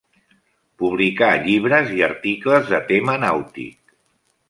Publicà llibres i articles de tema nàutic.